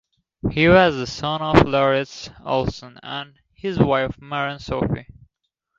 He was the son of Lauritz Olsen and his wife Maren Sofie.